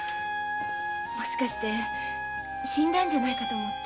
もしかして死んだんじゃないかと思って。